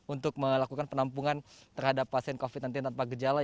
untuk melakukan penampungan terhadap pasien covid sembilan belas tanpa gejala